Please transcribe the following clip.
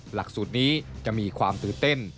หลักสูตรนี้จะมีความตื่นเต้น